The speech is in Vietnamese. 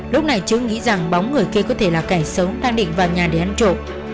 lúc này chữ nghĩ rằng bóng người kia có thể là kẻ xấu đang định vào nhà để ăn trộm